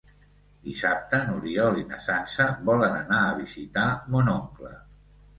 Dissabte n'Oriol i na Sança volen anar a visitar mon oncle.